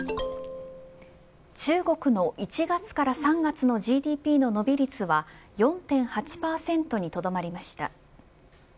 中国の１月から３月のＧＤＰの伸び率は４．８％にとどまりました。